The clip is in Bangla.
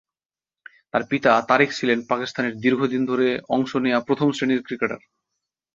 তার পিতা তারিক ছিলেন পাকিস্তানের দীর্ঘ দিন ধরে অংশ নেয়া প্রথম শ্রেণীর ক্রিকেটার।